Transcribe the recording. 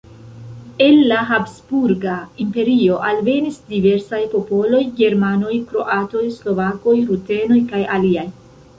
El la Habsburga Imperio alvenis diversaj popoloj: germanoj, kroatoj, slovakoj, rutenoj kaj aliaj.